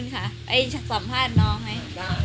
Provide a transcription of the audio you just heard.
ขอบคุณค่ะไปสัมภาษณ์น้องให้